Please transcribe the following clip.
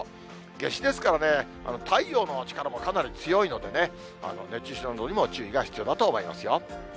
夏至ですからね、太陽の力もかなり強いのでね、熱中症などにも注意が必要だと思いますよ。